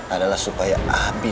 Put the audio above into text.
adalah supaya abie